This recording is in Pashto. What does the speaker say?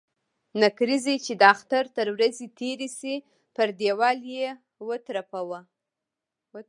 نکريزي چې د اختر تر ورځي تيري سي ، پر ديوال يې و ترپه.